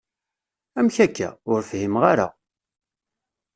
Amek akka? Ur fhimeɣ ara.